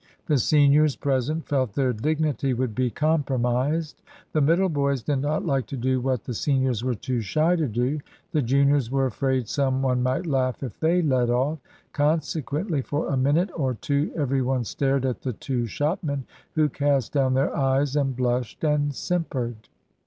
The seniors present felt their dignity would be compromised. The middle boys did not like to do what the seniors were too shy to do. The juniors were afraid some one might laugh if they led off. Consequently for a minute or two every one stared at the two shopmen, who cast down their eyes, and blushed and simpered.